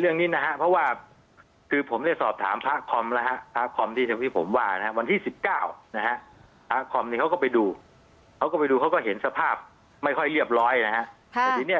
เรื่องนี้นะฮะเพราะว่าคือผมได้สอบถามพระคอมแล้วฮะพระคอมที่ผมว่านะฮะวันที่๑๙นะฮะพระคอมเนี่ยเขาก็ไปดูเขาก็ไปดูเขาก็เห็นสภาพไม่ค่อยเรียบร้อยนะฮะแต่ทีนี้